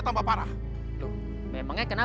saya salah menolaknya